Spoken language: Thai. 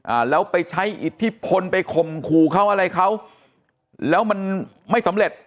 อ่าแล้วไปใช้อิทธิพลไปข่มขู่เขาอะไรเขาแล้วมันไม่สำเร็จ